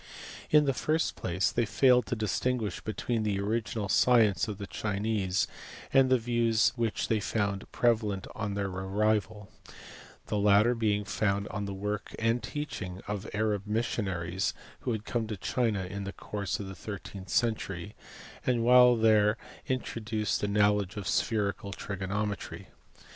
In the first place they failed to distinguish between the original science of the Chinese and the views which they found preva lent on their arrival ; the latter being founded on the work and teaching of Arab missionaries who had come to China in the course of the thirteenth century, and while there introduced a knowledge of spherical trigonometry.